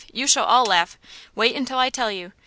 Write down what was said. You shall all laugh! Wait until I tell you!